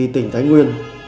tỉnh thái nguyên